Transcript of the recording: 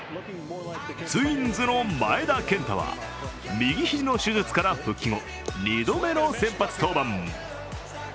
ツインズの前田健太は右肘の手術から復帰後、２度目の先発登板。